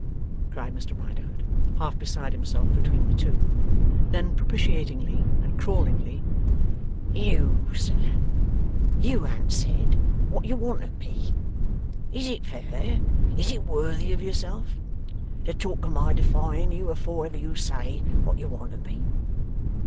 cried Mr Riderhood, half beside himself between the two. Then, propitiatingly and crawlingly: 'You sir! You han't said what you want of me. Is it fair, is it worthy of yourself, to talk of my defying you afore ever you say what you want of me?